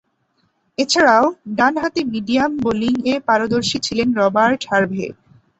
এছাড়াও, ডানহাতে মিডিয়াম বোলিংয়ে পারদর্শী ছিলেন রবার্ট হার্ভে।